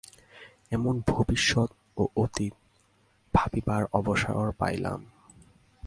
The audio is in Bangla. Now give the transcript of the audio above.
এখন ভবিষ্যৎ ও অতীত ভাবিবার অবসর পাইলাম।